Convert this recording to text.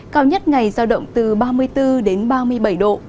cao nhất ngày giao động từ ba mươi bốn đến ba mươi bảy độ